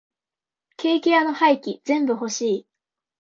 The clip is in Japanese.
ケーキ屋の廃棄全部欲しい。